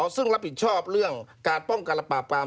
ซึ่งรับผิดชอบเรื่องการป้องกันและปราบปราม